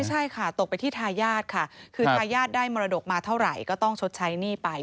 ใช่ค่ะตกไปที่ทายาทค่ะคือทายาทได้มรดกมาเท่าไหร่ก็ต้องชดใช้หนี้ไป